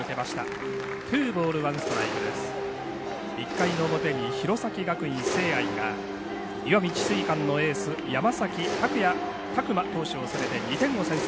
１回の表に弘前学院聖愛が石見智翠館のエース山崎琢磨投手を攻めて２点を先制。